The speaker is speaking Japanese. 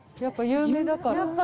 やっぱ有名だから。